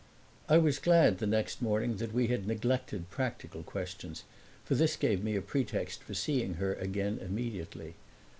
I was glad the next morning that we had neglected practical questions, for this gave me a pretext for seeing her again immediately.